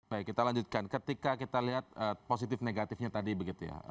baik kita lanjutkan ketika kita lihat positif negatifnya tadi begitu ya